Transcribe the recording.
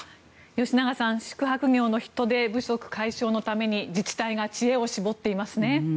吉永さん宿泊業の人手不足解消のために自治体が知恵を絞っていますね。